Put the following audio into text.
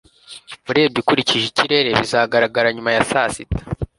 urebye ukurikije ikirere, bizagaragara nyuma ya saa sita